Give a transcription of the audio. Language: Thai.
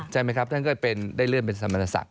ใช่มั้ยท่านก็ได้เลื่อนเป็นสมณสัก